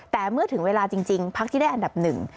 แต่เมื่อถึงเวลาจริงพักที่ได้อันดับหนึ่ง